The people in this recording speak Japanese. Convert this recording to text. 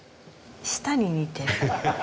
舌に似てる。